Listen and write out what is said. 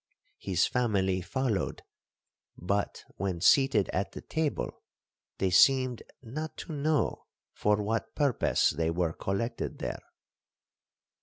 His family followed, but, when seated at the table, they seemed not to know for what purpose they were collected there.